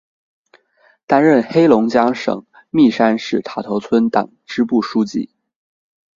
担任黑龙江省密山市塔头村党支部书记。